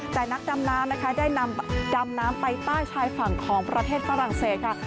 แต่นักดำน้ำนะคะได้นำดำน้ำไปใต้ชายฝั่งของประเทศฝรั่งเศสค่ะ